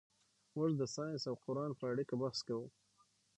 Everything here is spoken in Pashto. موږ د ساینس او قرآن په اړیکه بحث کوو.